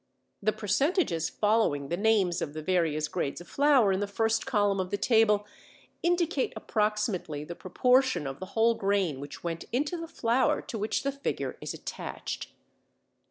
The percentages following the names of the various grades of flour in the first column of the table indicate approximately the proportion of the whole grain which went into the flour to which the figure is attached.